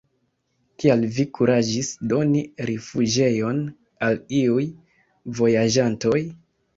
Kial vi kuraĝis doni rifuĝejon al iuj vojaĝantoj?